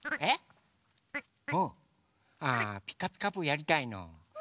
あ「ピカピカブ！」やりたいの？